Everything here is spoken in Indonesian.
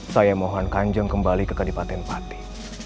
saya mohon kanjeng kembali ke kabupaten pati